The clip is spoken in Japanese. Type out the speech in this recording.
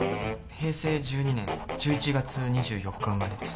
平成１２年１１月２４日生まれです